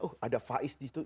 oh ada faiz disitu